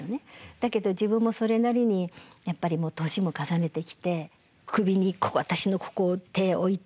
だけど自分もそれなりにやっぱり年も重ねてきて「首に私のここを手置いて。